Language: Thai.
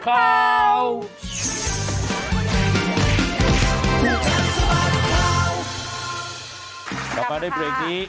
กลับมาด้วยเพลงนี้